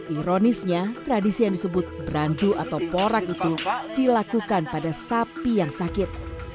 ironisnya tradisi yang disebut berandu atau porak itu dilakukan pada sapi yang sakit